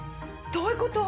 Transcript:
どういう事？